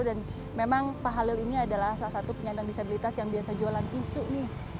dan memang pak halil ini adalah salah satu penyandang disabilitas yang biasa jualan tisu nih